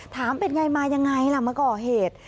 เป็นไงมายังไงล่ะมาก่อเหตุ